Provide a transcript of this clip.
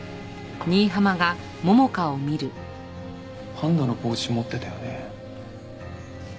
パンダのポーチ持ってたよね？